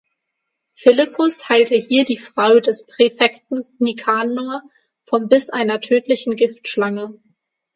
Philippus heilte hier die Frau des Präfekten Nikanor vom Biss einer tödlichen Giftschlange.